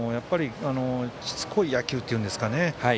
しつこい野球というんですかね。